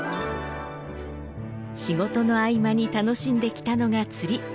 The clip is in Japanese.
仕事の合間に楽しんできたのが釣り。